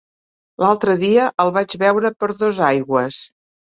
L'altre dia el vaig veure per Dosaigües.